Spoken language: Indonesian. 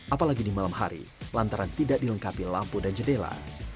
apalagi di malam hari lantaran tidak dilengkapi lampu dan jendela